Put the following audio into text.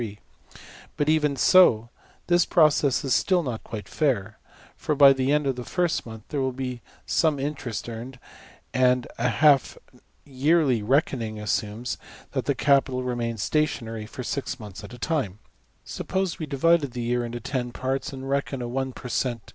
\] But, even so, the process is still not quite fair; for, by the end of the first month, there will be some interest earned; and a half yearly reckoning assumes that the capital remains stationary for six months at \DPPageSep{149.png}% a time. Suppose we divided the year into $10$~parts, and reckon a one per cent.